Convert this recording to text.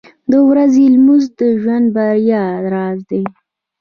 • د ورځې لمونځ د ژوند د بریا راز دی.